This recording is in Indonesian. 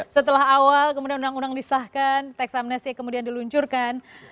setelah awal kemudian undang undang disahkan tax amnesty kemudian diluncurkan